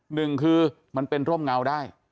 หนึ่งคือมันเป็นร่มเงาได้